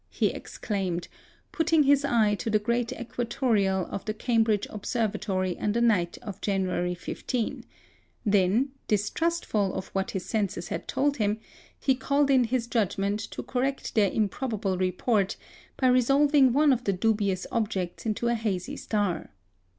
he exclaimed, putting his eye to the great equatoreal of the Cambridge Observatory on the night of January 15; then, distrustful of what his senses had told him, he called in his judgment to correct their improbable report by resolving one of the dubious objects into a hazy star.